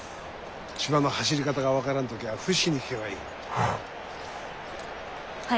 芝の走り方が分からん時はフィッシュに聞けばいい。